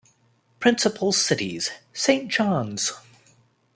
"Principal cities: Saint John's"